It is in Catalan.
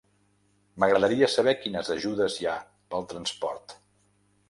M'agradaria saber quines ajudes hi ha pel transport.